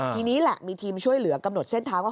ทีนี้แหละมีทีมช่วยเหลือกำหนดเส้นทางว่า